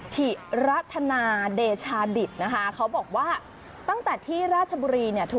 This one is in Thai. ถิรัฐนาเดชาติดิตนะคะเขาบอกว่าตั้งแต่ที่ราชบุรีเนี่ย